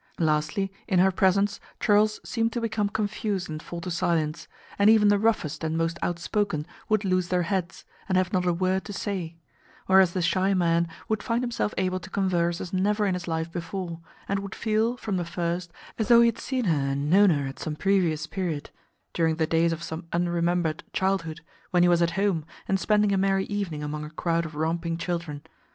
Lastly, in her presence churls seemed to become confused and fall to silence, and even the roughest and most outspoken would lose their heads, and have not a word to say; whereas the shy man would find himself able to converse as never in his life before, and would feel, from the first, as though he had seen her and known her at some previous period during the days of some unremembered childhood, when he was at home, and spending a merry evening among a crowd of romping children.